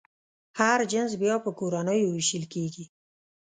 هر جنس بیا په کورنیو وېشل کېږي.